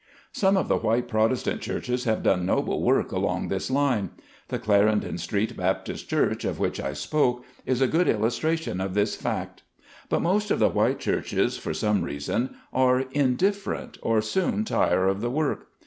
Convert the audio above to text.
|OME of the white Protestant churches have done noble work along this line. The Clarendon Street Baptist Church, of which I spoke, is a good illustration of this fact. But most of the white churches, for some reason, are indifferent or soon tire of the work.